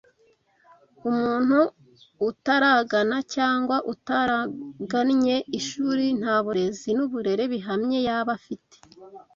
umuntu utaragana cyangwa utaragannye ishuri nta burezi n’uburere bihamye yaba afite